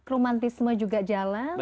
romantisme juga jalan